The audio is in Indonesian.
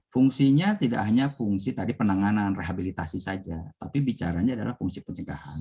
fungsinya tidak hanya fungsi tadi penanganan rehabilitasi saja tapi bicaranya adalah fungsi pencegahan